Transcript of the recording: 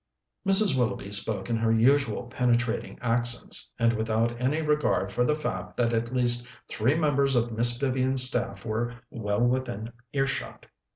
Mrs. Willoughby spoke in her usual penetrating accents, and without any regard for the fact that at least three members of Miss Vivian's staff were well within earshot.